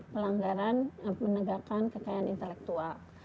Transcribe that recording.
pelanggaran menegakkan kekayaan intelektual